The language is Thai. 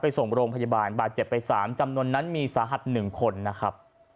ส่งโรงพยาบาลบาดเจ็บไป๓จำนวนนั้นมีสาหัส๑คนนะครับ